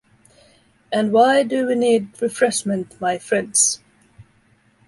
And why do we need refreshment, my friends?